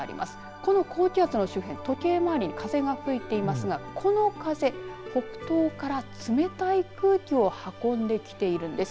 この高気圧の周辺時計回りに風が吹いていますがこの風、北東から冷たい空気を運んできているんです。